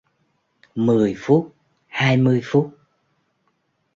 mười phút hai mươi phút